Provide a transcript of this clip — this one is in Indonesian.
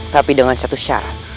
tapi dengan satu syarat